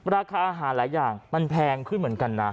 ราคาอาหารหลายอย่างมันแพงขึ้นเหมือนกันนะ